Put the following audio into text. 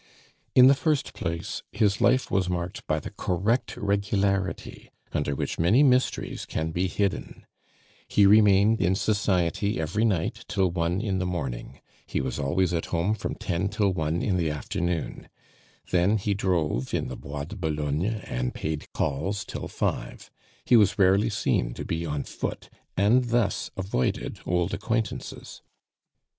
In the first place, his life was marked by the correct regularity under which many mysteries can be hidden; he remained in society every night till one in the morning; he was always at home from ten till one in the afternoon; then he drove in the Bois de Boulogne and paid calls till five. He was rarely seen to be on foot, and thus avoided old acquaintances.